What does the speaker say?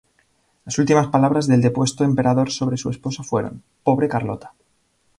Las últimas palabras del depuesto Emperador sobre su esposa fueron: "¡Pobre Carlota!".